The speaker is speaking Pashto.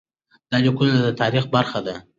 دا لیکونه د تاریخ برخه دي.